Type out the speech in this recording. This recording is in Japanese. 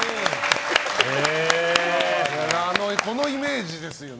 このイメージですよね。